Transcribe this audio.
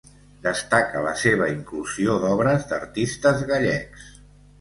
Destaca la seva inclusió d'obres d'artistes gallecs.